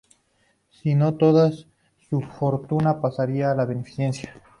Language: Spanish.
Si no toda su fortuna pasará a beneficencia.